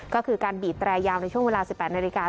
ก็คือการบีบแตรยาวในช่วงเวลา๑๘นาฬิกา